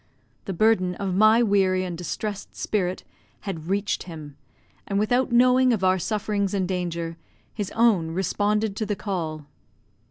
The burden of my weary and distressed spirit had reached him; and without knowing of our sufferings and danger, his own responded to the call.